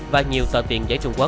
và nhiều tờ tiền giấy trung quốc